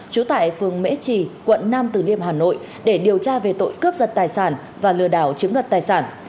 trú tại phường mễ trì quận nam từ liêm hà nội để điều tra về tội cướp giật tài sản và lừa đảo chiếm đoạt tài sản